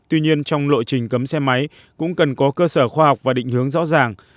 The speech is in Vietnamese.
tuy nhiên trong lộ trình cấm xe máy cũng cần có cơ sở khoa học và định hướng rõ ràng